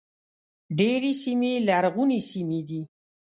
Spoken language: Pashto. ډېرې سیمې لرغونې سیمې دي.